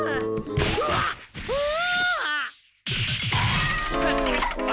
うわっうわ！